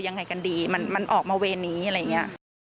ยังไงกันดีมันออกมาเวรนี้อะไรอย่างนี้